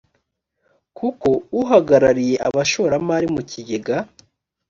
kuba uhagarariye abashoramari mu kigega